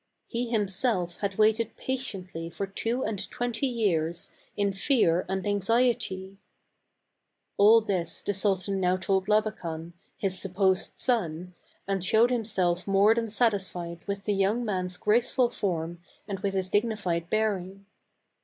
He himself had waited patiently for two and twenty years, in fear and anxiety. All this the sultan now told Labakan, his sup 204 THE CAB AVAN. posed son, and showed himself more than satis fied with the young man's graceful form and with his dignified bearing.